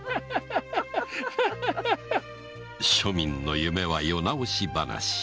庶民の夢は世直し話